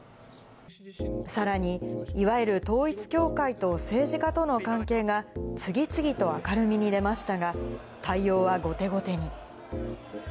さらに、いわゆる統一教会と政治家との関係が、次々と明るみに出ましたが、対応は後手後手に。